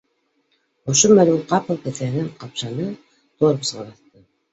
Ошо мәл ул ҡапыл кеҫәһен ҡапшаны, тормозға баҫты